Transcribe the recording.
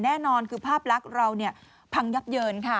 แน่นอนคือภาพลักษณ์เราพังยับเยินค่ะ